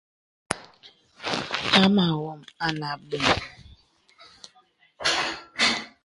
Hāmá wàm ànə bəŋ.